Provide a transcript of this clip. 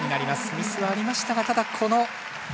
ミスはありましたが。